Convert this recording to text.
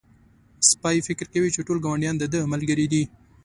سپی فکر کوي چې ټول ګاونډيان د ده ملګري دي.